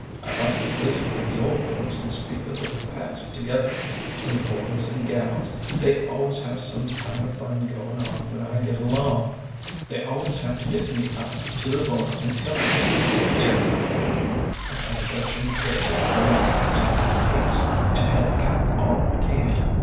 "I like to visit with the old folks an' speak o' the past together; an' the boys an' gals, they always have some kind o' fun goin' on when I git along. They always have to git me out to the barn an' tell me, if they're a courtin', and I fetch an' carry for 'em in that case, an' help out all I can.